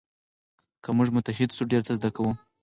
که موږ متحد سو ډېر څه زده کوو.